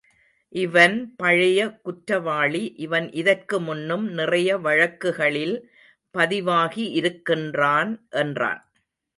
இவன் பழைய குற்றவாளி, இவன் இதற்கு முன்னும் நிறைய வழக்குகளில் பதிவாகி இருக்கின்றான் என்றான்.